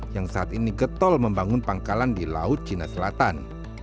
yang saat ini getol membangun pangkalan di laut cina selatan